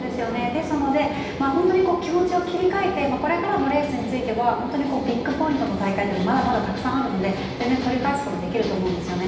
ですので、気持ちを切り替えてこれからのレースについてはビッグポイントの大会がまだまだたくさんあるので全然取り返すことできると思うんですよね。